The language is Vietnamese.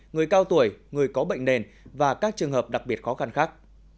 người cao tuổi người có bệnh nền và các trường hợp đặc biệt khó khăn khác